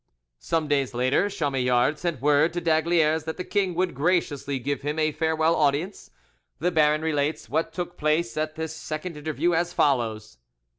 Some days later, Chamillard sent ward to d'Aygaliers that the king would graciously give him a farewell audience. The baron relates what took place at this second interview, as follows.